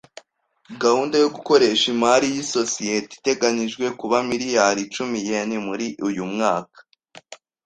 Gahunda yo gukoresha imari y’isosiyete iteganijwe kuba miliyari icumi yen muri uyu mwaka.